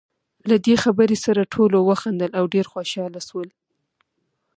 له دې خبرې سره ټولو وخندل، او ډېر خوشاله شول.